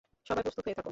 সবাই প্রস্তুত হয়ে থাকো!